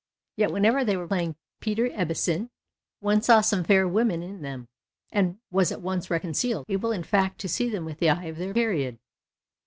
Yet, when they were playing Peter Ibhetson, one saw some fair women in them — and was at once reconciled, able in fact to see them with the eye of their period.